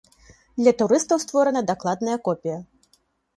Для турыстаў створана дакладная копія.